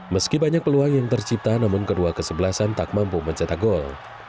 meski banyak peluang yang tercipta namun kedua kesebelasan tak mampu mencetak gol